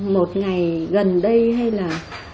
một ngày gần đây hay là